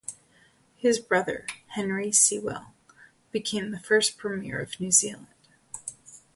His brother, Henry Sewell became the first premier of New Zealand.